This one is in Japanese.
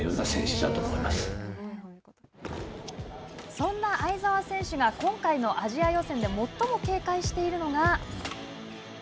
そんな相澤選手が今回のアジア予選で最も警戒しているのが。